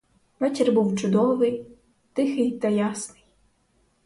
Вечір був чудовий, тихий та ясний.